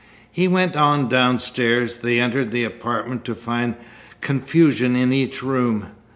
He went on downstairs. They entered the apartment to find confusion in each room.